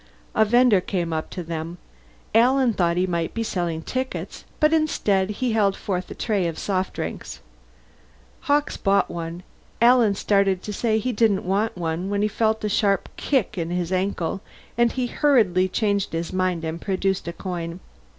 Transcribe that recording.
A vender came up to them. Alan thought he might be selling tickets, but instead he held forth a tray of soft drinks. Hawkes bought one; Alan started to say he didn't want one when he felt a sharp kick in his ankle, and he hurriedly changed his mind and produced a coin.